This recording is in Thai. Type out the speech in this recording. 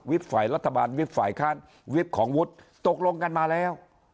ฝ่ายรัฐบาลวิบฝ่ายค้านวิบของวุฒิตกลงกันมาแล้ว